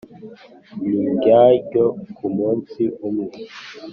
N iryaryo ku munsi umwe